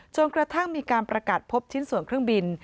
จนกระทั่งมีการประกาศพบชิ้นส่วนเครื่องบิน